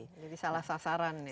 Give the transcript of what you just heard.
jadi salah sasaran ya